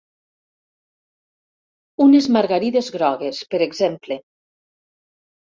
Unes margarides grogues, per exemple.